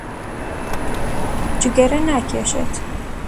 جگەرە ناکێشێت.